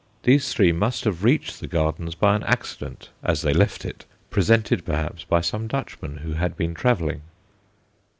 These three must have reached the Gardens by an accident as they left it presented perhaps by some Dutchman who had been travelling.